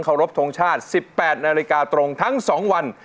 รบทรงชาติ๑๘นาฬิกาตรงทั้ง๒วัน